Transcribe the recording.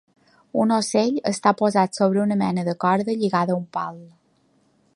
Un ocell està posat sobre una mena de corda lligada a un pal.